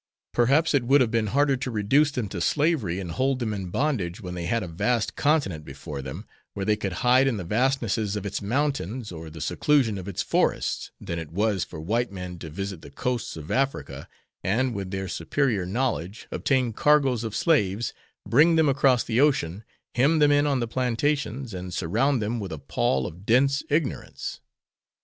Perhaps it would have been harder to reduce them to slavery and hold them in bondage when they had a vast continent before them, where they could hide in the vastnesses of its mountains or the seclusion of its forests, than it was for white men to visit the coasts of Africa and, with their superior knowledge, obtain cargoes of slaves, bring them across the ocean, hem them in on the plantations, and surround them with a pall of dense ignorance."